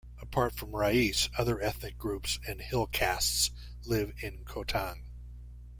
Apart from Rais, other ethnic groups and hill castes live in Khotang.